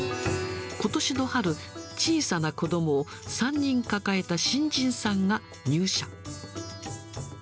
ことしの春、小さな子どもを３人抱えた新人さんが入社。